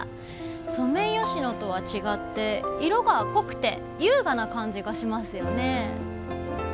ソメイヨシノとは違って色が濃くて優雅な感じがしますよね。